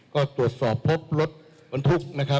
ก็ตรวจสอบพบรถบนทุกข์